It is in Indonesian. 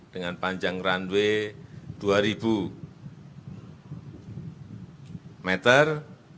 dengan panjang runway dua ribu meter